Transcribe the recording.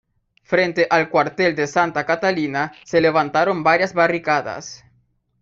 Frente al Cuartel de Santa Catalina se levantaron varias barricadas.